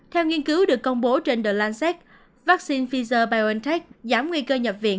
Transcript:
theo nghiên cứu được công bố trên the lancet vaccine pfizer biontech giảm nguy cơ nhập viện